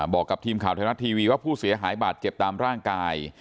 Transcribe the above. บอกกับทีมข่าวไทยรัฐทีวีว่าผู้เสียหายบาดเจ็บตามร่างกาย